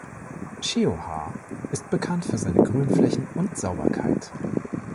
Sheohar ist bekannt für seine Grünflächen und Sauberkeit.